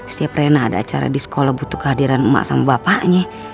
setiap rena ada acara di sekolah butuh kehadiran emak sama bapaknya